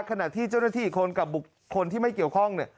ขณะที่เจ้าหน้าที่อีกคนกับบุคคลที่ไม่เกี่ยวข้อง